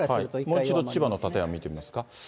もう一度千葉の館山見てみますか。